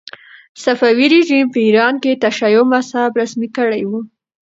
صفوي رژیم په ایران کې تشیع مذهب رسمي کړی و.